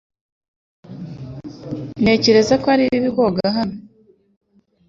Ntekereza ko ari bibi koga hano .